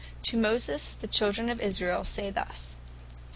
To Moses, the children of Israel say thus.